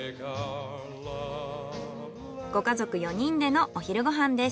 ご家族４人でのお昼ご飯です。